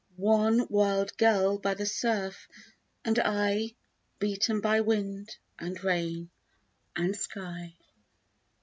One wild gull by the surf and I, Beaten by wind and rain and sky.